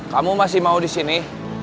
kamu masih mau di sini